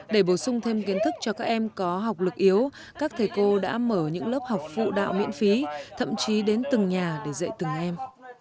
để bổ sung thêm kiến thức cho các em có học lực yếu các thầy cô đã mở những lớp học phụ đạo miễn phí thậm chí đến từng nhà để dạy từng em